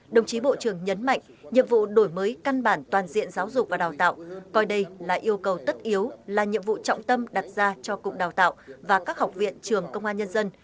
đồng chí bộ trưởng nhấn mạnh nhiệm vụ đổi mới căn bản toàn diện giáo dục và đào tạo coi đây là yêu cầu tất yếu là nhiệm vụ trọng tâm đặt ra cho cục đào tạo và các học viện trường công an nhân dân